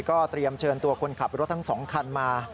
ก็เตรียมเชิญตัวคนขับรถทั้ง๒คันมา